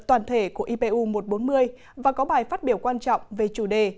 toàn thể của ipu một trăm bốn mươi và có bài phát biểu quan trọng về chủ đề